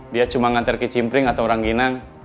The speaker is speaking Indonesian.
dia cuma ngantar kecimpri atau orang ginang